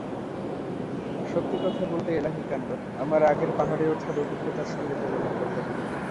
সত্যি কথা বলতে এলাহিকাণ্ড, আমার আগের পাহাড়ে ওঠার অভিজ্ঞতার সঙ্গে তুলনা করলে।